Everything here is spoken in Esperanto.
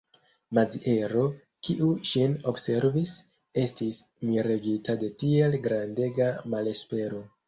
Maziero, kiu ŝin observis, estis miregita de tiel grandega malespero.